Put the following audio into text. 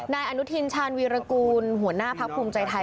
นายอนุทินชาญวีรกูลหัวหน้าพักภูมิใจไทย